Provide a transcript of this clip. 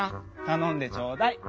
たのんでちょうだい！